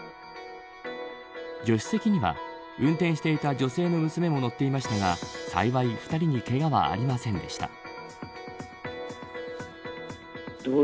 助手席には運転していた女性の娘も乗っていましたが幸い、２人にけがはありませんでした。